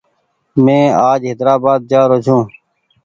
مينٚ آج حيدرآبآد جآرو ڇوٚنٚ